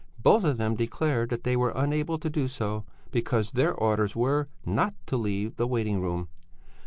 Both of them declared that they were unable to do so, because their orders were not to leave the waiting room.